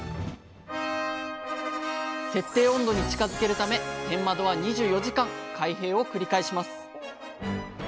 設定温度に近づけるため天窓は２４時間開閉を繰り返します。